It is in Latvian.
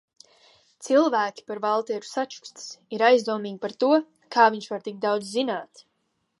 Cilvēki par Valteru sačukstas, ir aizdomīgi par to, kā viņš var tik daudz zināt.